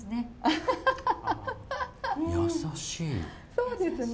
そうですね